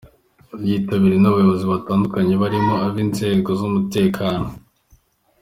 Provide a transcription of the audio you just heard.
Yitabiriwe n’abayobozi batandukanye barimo ab’inzego z’umutekano.